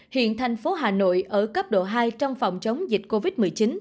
hiện thành phố hà nội ở cấp độ hai trong phòng chống dịch covid một mươi chín